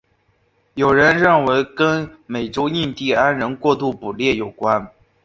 有人认为跟美洲印第安人过度捕猎有关。